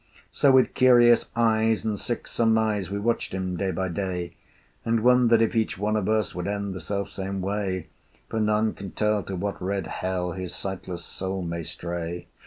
So with curious eyes and sick surmise We watched him day by day, And wondered if each one of us Would end the self same way, For none can tell to what red Hell His sightless soul may stray.